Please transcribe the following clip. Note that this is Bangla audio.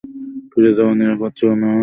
ফিরে যাওয়াও নিরাপদ ছিল না।